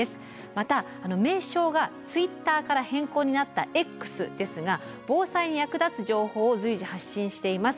また名称が「Ｔｗｉｔｔｅｒ」から変更になった「Ｘ」ですが防災に役立つ情報を随時発信しています。